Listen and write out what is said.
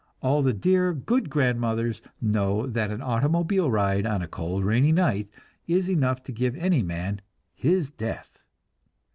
All the dear, good grandmothers know that an automobile ride on a cold, rainy night is enough to give any man "his death."